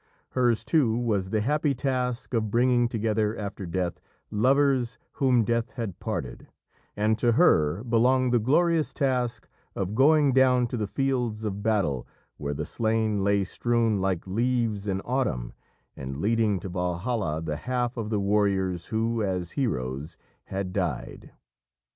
Hers, too, was the happy task of bringing together after death, lovers whom Death had parted, and to her belonged the glorious task of going down to the fields of battle where the slain lay strewn like leaves in autumn and leading to Valhalla the half of the warriors who, as heroes, had died.